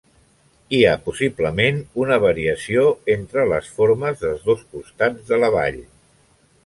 Hi ha possiblement una variació entre les formes dels dos costats de la vall.